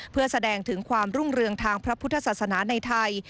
เพื่อแสดงถึงความรุ่งเรืองทางพระพุทธศาสนาในไทย